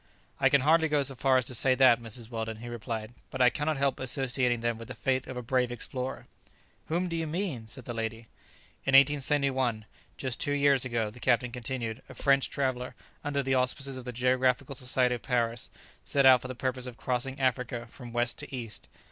"I can hardly go so far as to say that, Mrs. Weldon," he replied; "but I cannot help associating them with the fate of a brave explorer." "Whom do you mean? said the lady. "In 1871, just two years ago," the captain continued, "a French traveller, under the auspices of the Geographical Society of Paris, set out for the purpose of crossing Africa from west to east.